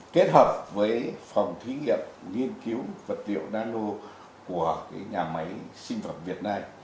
kết hợp với phòng thí nghiệm nghiên cứu vật liệu nano của nhà máy sinh phẩm việt nam